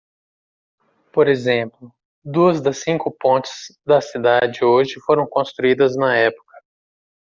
Por exemplo,?, duas das cinco pontes da cidade hoje foram construídas na época.